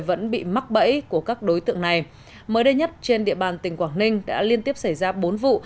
vẫn bị mắc bẫy của các đối tượng này mới đây nhất trên địa bàn tỉnh quảng ninh đã liên tiếp xảy ra bốn vụ